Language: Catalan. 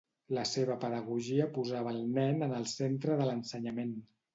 La seva pedagogia posava al nen en el centre de l'ensenyament.